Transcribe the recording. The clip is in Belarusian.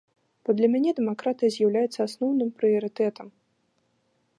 Бо для мяне дэмакратыя з'яўляецца асноўным прыярытэтам.